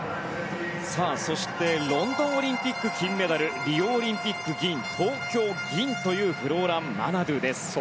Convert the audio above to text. そしてロンドンオリンピック金メダルリオオリンピック銀東京銀というフローラン・マナドゥです。